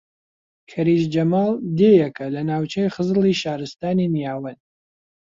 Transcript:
کەریز جەماڵ دێیەکە لە ناوچەی خزڵی شارستانی نیاوەن